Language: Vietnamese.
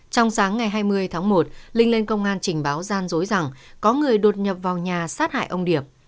trong sáng ngày hai mươi tháng một linh lên công an trình báo gian dối rằng có người đột nhập vào nhà sát hại ông điệp